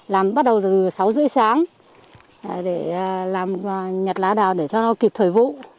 làm bắt đầu từ sáu h ba mươi sáng để làm nhặt lá đào để cho nó kịp thời vụ